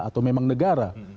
atau memang negara